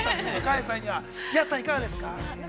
◆安さん、いかがですか。